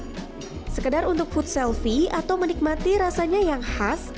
bisa menjual ratusan porsi sekedar untuk food selfie atau menikmati rasanya yang khas